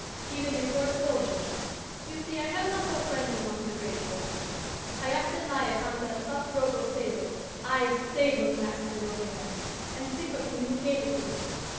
Even a poor soldier's. You see I have not all friends among the great folk. I often lie upon that soft robe of sable ay, sable, Master Robert and think of him who gave it to me.